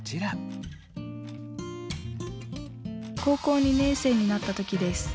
「高校２年生になった時です。